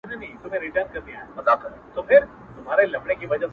• څه به وسي دا یوه که پکښي زما سي..